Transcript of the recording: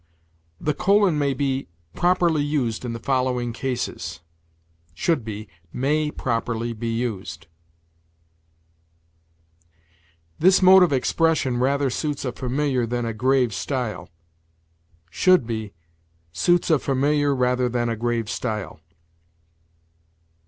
"The colon may be properly used in the following cases": should be, "may properly be used." "This mode of expression rather suits a familiar than a grave style": should be, "suits a familiar rather than a grave style."